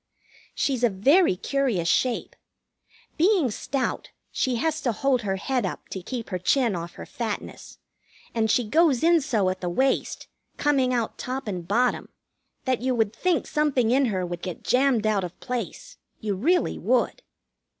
She's a very curious shape. Being stout, she has to hold her head up to keep her chin off her fatness; and she goes in so at the waist, coming out top and bottom, that you would think something in her would get jammed out of place. You really would.